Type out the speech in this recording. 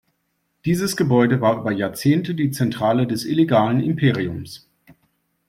Dieses Gebäude war über Jahrzehnte die Zentrale des illegalen Imperiums.